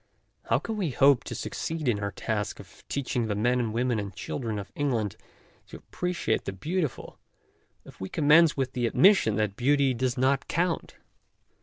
How can we hope to succeed in our task of teaching the men and women and the children of England to appreciate the beautiful, if we commence with the admis sion that beauty does not count?